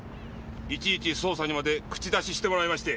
いちいち捜査にまで口出ししてもらいまして！